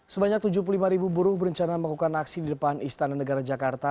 sebanyak tujuh puluh lima ribu buruh berencana melakukan aksi di depan istana negara jakarta